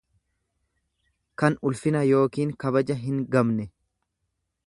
kan ulfina yookiin kabaja hingabne.